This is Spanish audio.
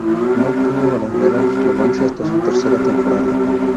No obtuvo verdadera relevancia hasta su tercera temporada.